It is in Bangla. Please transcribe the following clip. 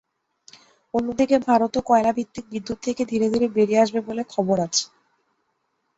অন্যদিকে ভারতও কয়লাভিত্তিক বিদ্যুৎ থেকে ধীরে ধীরে বেরিয়ে আসবে বলে খবর আছে।